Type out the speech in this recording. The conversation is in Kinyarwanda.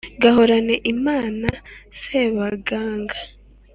Gahorane Imana Sebagangali!